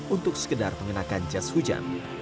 untuk sekedar mengenakan jas hujan